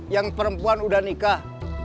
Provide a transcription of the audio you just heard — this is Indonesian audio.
yang perempuan udah nikah